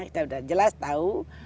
kita sudah jelas tahu